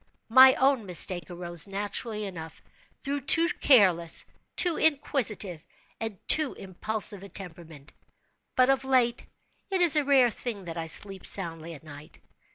My own mistake arose, naturally enough, through too careless, too inquisitive, and too impulsive a temperament. But of late, it is a rare thing that I sleep soundly at night.